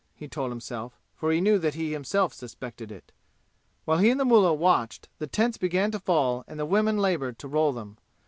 he told himself, for he knew that he himself suspected it. While he and the mullah watched the tents began to fall and the women labored to roll them.